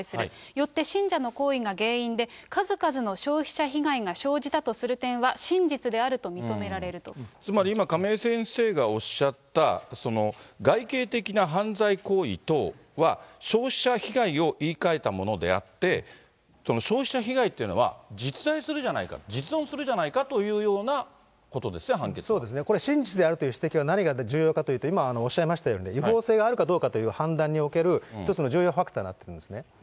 よって信者の行為が原因で、数々の消費者被害が生じたとする点は、つまり今、亀井先生がおっしゃった、外形的な犯罪行為等は消費者被害を言い換えたものであって、消費者被害というのは、実在するじゃないか、実存するじゃないかといそうですね、これ、真実であるという指摘は何が重要かというと、今おっしゃいましたように、違法性があるかどうかという判断における、１つの重要ファクターになってるんですね。